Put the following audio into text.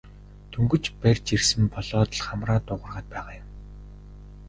Дөнгөж барьж ирсэн болоод л хамраа дуугаргаад байгаа юм.